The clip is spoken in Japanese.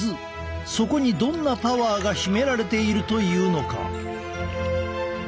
そこにどんなパワーが秘められているというのか？